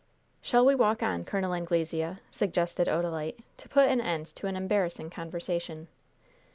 "Shall we walk on, Col. Anglesea?" suggested Odalite, to put an end to an embarrassing conversation.